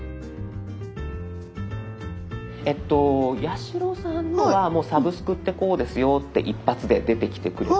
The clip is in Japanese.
八代さんのはもう「サブスク」ってこうですよって１発で出てきてくれてます。